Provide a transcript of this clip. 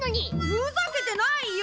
ふざけてないよ！